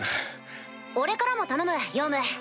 俺からも頼むヨウム。